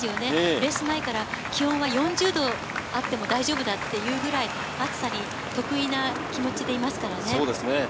レース前から気温は４０度あっても大丈夫だというくらい、暑さが得意な気持ちでいますからね。